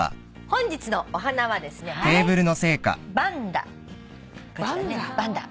本日のお花はですねバンダ。